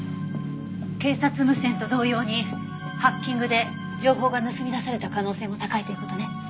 警察無線と同様にハッキングで情報が盗み出された可能性も高いという事ね。